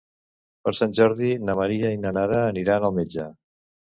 Per Sant Jordi na Maria i na Nara aniran al metge.